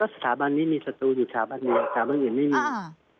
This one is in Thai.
สถาบันนี้มีศัตรูอยู่สถาบันเดียวสถาบันอื่นไม่มี